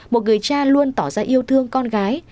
một người cha luôn tỏ ra yêu thương con gái